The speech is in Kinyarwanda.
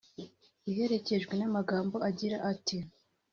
iherekejwe n'amagambo agira ati